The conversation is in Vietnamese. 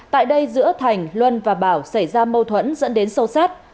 tại đây giữa thành luân và bảo xảy ra mâu thuẫn dẫn đến sâu sát